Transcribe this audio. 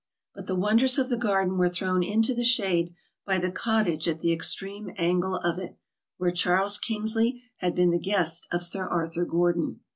But the wonders of the garden were thrown into the shade by the cottage at the extreme angle of it, where Charles Kingsley had been the guest of Sir Arthur Gordon.